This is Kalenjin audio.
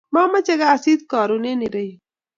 Kimache kasit karun en ironyu